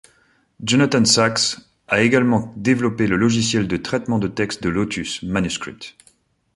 Jonathan Sachs a également développé le logiciel de traitement de texte de Lotus, Manuscript.